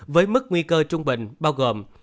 với mức nguy cơ trung bình bao gồm